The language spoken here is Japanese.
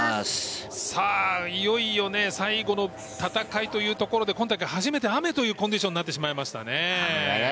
いよいよ最後の戦いというところで今大会初めて雨というコンディションになってしまいましたね。